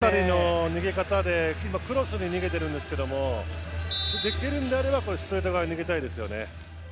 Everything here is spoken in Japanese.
この辺りの逃げ方で今、クロスに逃げてるんですけどできるんであればストレート側に逃げたいですよね。